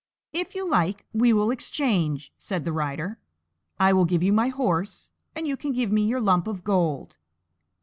"If you like we will exchange," said the Rider. "I will give you my horse, and you can give me your lump of gold."